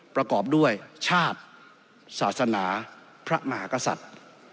ประกอบด้วยชาติศาสนาพระมหากษัตริย์